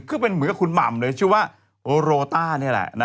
เหมือนกับคุณหม่ำเลยชื่อว่าโรต้าเนี่ยแหละ